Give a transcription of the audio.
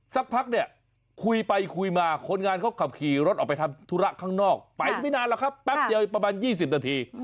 สักพักเนี่ยคุยไปคุยมาคนงานเขาขับขี่รถออกไปทำธุระข้างนอกไปไม่นานหรอกครับแป๊บเดียวประมาณ๒๐นาที